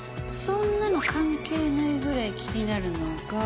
そんなの関係ないぐらい気になるのが。